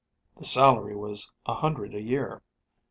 The salary was a hundred a year.